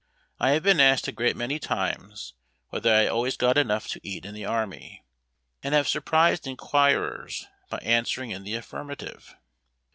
I have been asked a great many times whether I always got enough to eat in the army, and have surprised inquirers by answer ing in the affirmative.